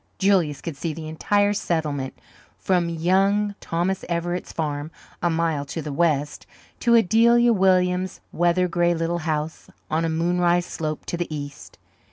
Julius could see the entire settlement, from "Young" Thomas Everett's farm, a mile to the west, to Adelia Williams's weather grey little house on a moonrise slope to the east.